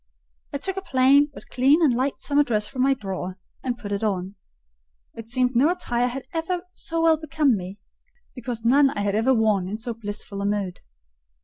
I took a plain but clean and light summer dress from my drawer and put it on: it seemed no attire had ever so well become me, because none had I ever worn in so blissful a mood.